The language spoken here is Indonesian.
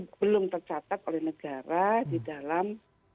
belum tercatat oleh negara di dalam